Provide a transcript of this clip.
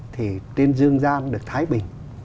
thì trên dương gian được thái bình